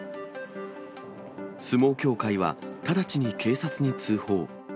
相撲協会は、直ちに警察に通報。